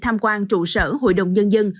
tham quan trụ sở hội đồng nhân dân